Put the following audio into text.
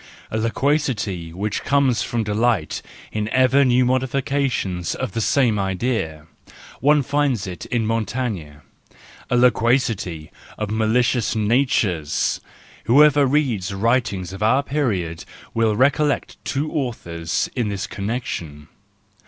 A loquacity which comes from delight in ever new modifications of the same idea: one finds it in Montaigne. A loquacity of malicious natures: whoever reads writings of our period will recollect two authors in this connection.